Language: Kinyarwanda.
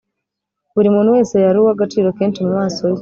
buri muntu wese yari uw’agaciro kenshi mu maso ye